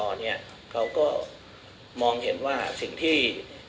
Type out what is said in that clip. เราก็มองเห็นว่าสิ่งที่